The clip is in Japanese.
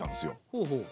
ほうほう。